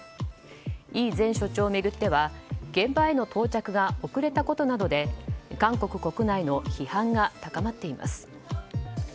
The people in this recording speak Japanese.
イ前署長を巡っては現場への到着が遅れたことなどで韓国国内の批判が高まっています。